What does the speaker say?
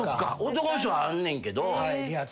男の人はあんねんけど。